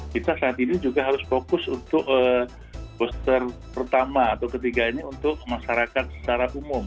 kita saat ini juga harus fokus untuk booster pertama atau ketiga ini untuk masyarakat secara umum